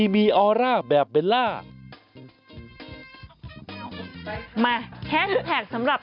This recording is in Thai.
มาแฮชแท็กสำหรับ